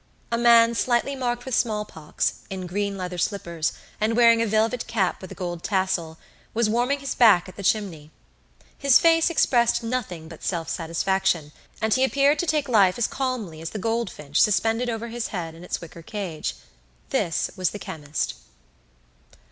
A man slightly marked with small pox, in green leather slippers, and wearing a velvet cap with a gold tassel, was warming his back at the chimney. His face expressed nothing but self satisfaction, and he appeared to take life as calmly as the goldfinch suspended over his head in its wicker cage: this was the chemist.